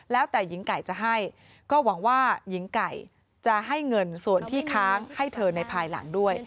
แล้วแต่หญิงไก่จะให้ก็หวังว่าหญิงไก่จะให้เงินส่วนที่ค้างให้เธอในภายหลังด้วย